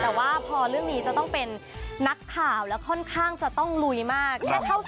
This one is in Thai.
แต่ว่าพอเรื่องนี้จะต้องเป็นนักข่าวแล้วค่อนข้างจะต้องลุยมาก